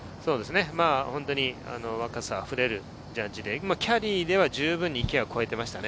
若さあふれるジャッジで、キャリーでは十分に池は越えていましたね。